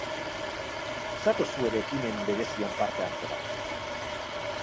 Zatoz zu ere ekimen berezian parte hartzera!